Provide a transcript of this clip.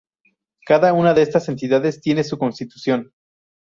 Cada una de estas entidades tiene su constitución.